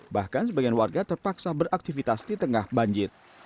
bahkan sebagian warga terpaksa beraktivitas di tengah banjir